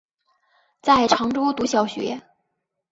在常州读小学。